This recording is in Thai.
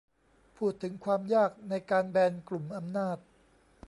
พูดถึงความยากในการแบนกลุ่มอำนาจ